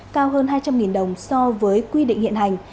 cao hơn hai trăm linh đồng so với quy định hiện hành